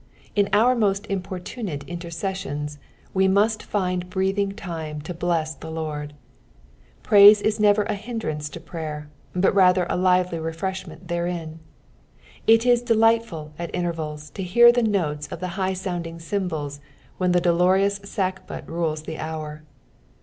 In our most importunate iatorccssions, we must And breathing time to bless the Lord : praise is never a hindrance to prsyer, but rather a lively refreshroent therein. It is delightful at intervals to hear the notes of the high sounding cymbals when the dolorous sackbut rules the hour.